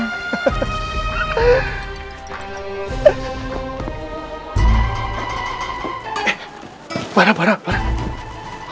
eh barah barah